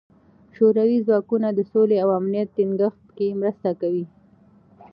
شوروي ځواکونه د سولې او امنیت ټینګښت کې مرسته کوي.